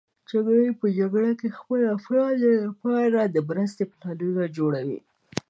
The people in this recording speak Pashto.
جګړن په جګړه کې د خپلو افرادو لپاره د مرستې پلانونه جوړوي.